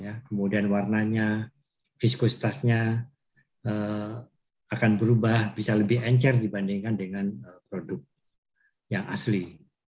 kemudian warnanya fiskusitasnya akan berubah bisa lebih encer dibandingkan dengan produk yang asli